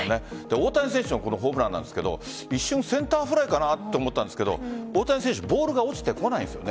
大谷選手のこのホームランですが一瞬、センターフライかなと思ったんですが大谷選手ボールが落ちてこないんです。